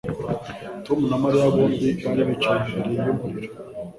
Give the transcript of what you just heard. Tom na Mariya bombi bari bicaye imbere yumuriro